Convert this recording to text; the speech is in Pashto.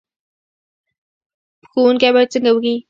ښوونکی باید څنګه وي؟